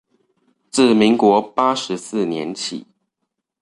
自民國八十四年起